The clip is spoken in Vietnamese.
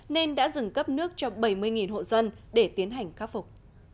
nên đã dừng cấp nước cho bảy mươi hộ dân để tiến hành khắc phục